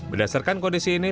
berdasarkan kondisi ini